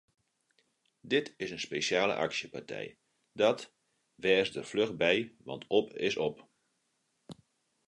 Dit is in spesjale aksjepartij, dat wês der fluch by want op is op!